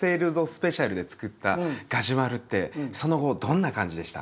スペシャル」でつくったガジュマルってその後どんな感じでした？